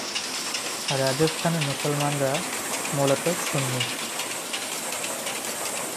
রাজস্থানী মুসলমানরা মূলত সুন্নি।